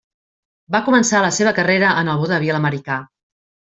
Va començar la seva carrera en el vodevil americà.